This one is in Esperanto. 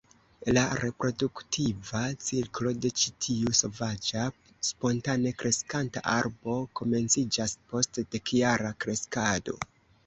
La produktiva ciklo de ĉi tiu sovaĝa spontane kreskanta arbo komenciĝas post dekjara kreskado.